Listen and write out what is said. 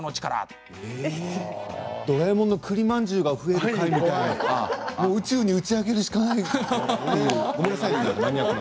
ドラえもんのくりまんじゅうが増える回みたいな宇宙に打ち上げるしかないみたいな。